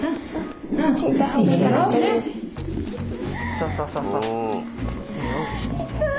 そうそうそうそう。